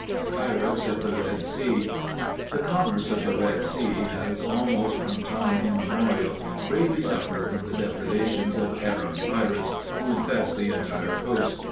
PIRATES OF THE RED SEA. The commerce of the Red Sea has, almost from time immemorial, greatly suffered from the depredations of Arab pirates, who infest the entire coasts.